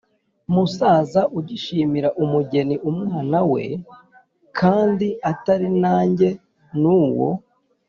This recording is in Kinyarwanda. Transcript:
musaza ugishimira umugeni umwana we. Kandi atari nange, n’uwo